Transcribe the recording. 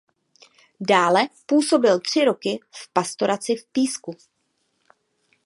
Dále působil tři roky v pastoraci v Písku.